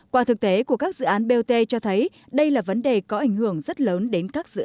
qua thực tế của các dự án bot cho thấy đây là vấn đề có ảnh hưởng rất lớn đến các dự án